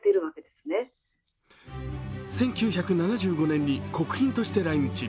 １９７５年に国賓として来日。